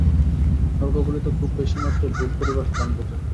স্বর্গ বলিতে খুব বেশী মাত্রায় ভোগ করিবার স্থান বুঝায়।